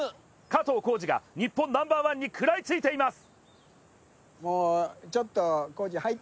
加藤浩次が日本ナンバーワンに食らいついています。